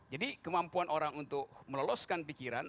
jadi kemampuan orang untuk meloloskan pikiran